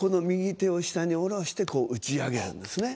右手を下に下ろして打ち上げるんです。